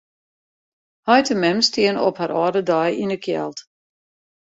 Heit en mem steane op har âlde dei yn 'e kjeld.